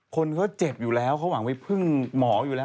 คนเขาเจ็บอยู่แล้วเขาหวังไปพึ่งหมออยู่แล้ว